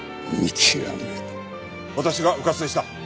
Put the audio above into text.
私がうかつでした。